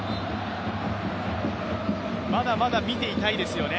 まだまだ見ていたいですよね。